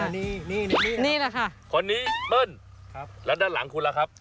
นี่แหละค่ะคนนี้เปิ้ลแล้วด้านหลังคุณล่ะครับ